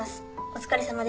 お疲れさま。